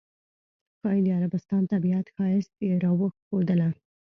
ښایي د عربستان طبیعت ښایست یې راښودله.